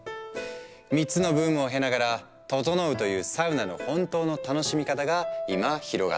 ３つのブームを経ながら「ととのう」というサウナの本当の楽しみ方が今広がっている。